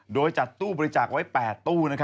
โดยจัดตู้บริจาคไว้๘ตู้